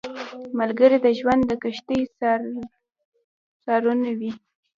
ملګری د ژوند د کښتۍ سارنوی وي